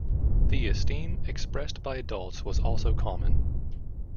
The esteem expressed by adults was also common.